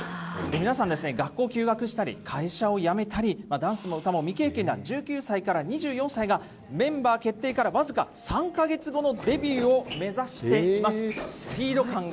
皆さんですね、学校を休学したり、会社を辞めたり、ダンスも歌も未経験な１９歳から２４歳がメンバー決定から僅か３か月後のデビューを目指しています。